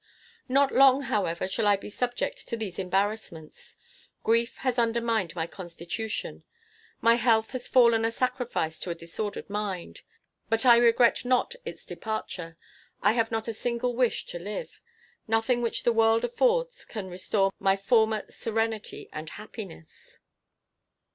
"Not long, however, shall I be subject to these embarrassments. Grief has undermined my constitution. My health has fallen a sacrifice to a disordered mind. But I regret not its departure. I have not a single wish to live. Nothing which the world affords can restore my former serenity and happiness.